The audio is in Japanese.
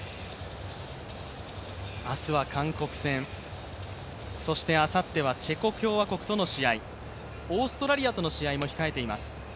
明日は韓国勢、そしてあさってはチェコ共和国との試合、オーストラリアとの試合も控えています。